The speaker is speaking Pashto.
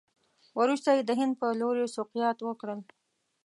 وروسته یې د هند په لوري سوقیات وکړل.